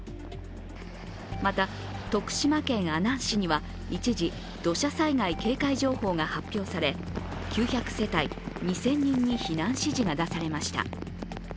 また徳島県阿南市には一時、土砂災害警戒情報が発表され９００世帯、２０００人に避難指示が出されました。